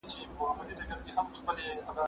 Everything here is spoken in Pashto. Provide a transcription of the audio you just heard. مه وکې ها منډه، چي دي کونه سي بربنډه.